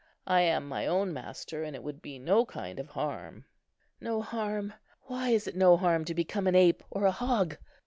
I am my own master, and it would be no kind of harm." "No harm! why, is it no harm to become an ape or a hog?"